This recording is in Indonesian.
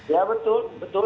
ya betul betul